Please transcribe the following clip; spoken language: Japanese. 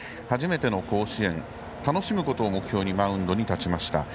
初めての甲子園楽しむことを目標にマウンドに立ちました。